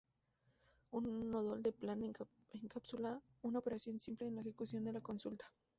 Un nodo del plan encapsula una operación simple en la ejecución de la consulta.